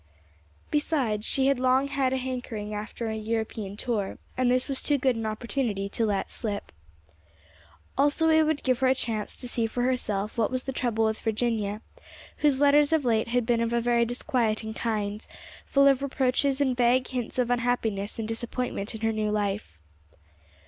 Beside she had long had a hankering after a European tour, and this was too good an opportunity to let slip. Also it would give her a chance to see for herself what was the trouble with Virginia, whose letters of late had been of a very disquieting kind; full of reproaches and vague hints of unhappiness and disappointment in her new life.